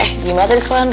eh gimana tadi sekolah andra